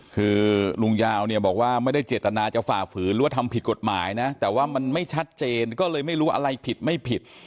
คือลุงยาวเนี่ยบอกว่าไม่ได้เจตนาจะฝ่าฝืนหรือว่าทำผิดกฎหมายนะแต่ว่ามันไม่ชัดเจนก็เลยไม่รู้อะไรผิดไม่ผิด